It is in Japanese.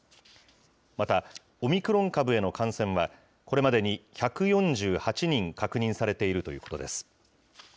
また、オミクロン株への感染は、これまでに１４８人確認されているということです。